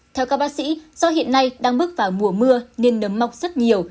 theo các bác sĩ do hiện nay đang bước vào mùa mưa nên nấm mọc rất nhiều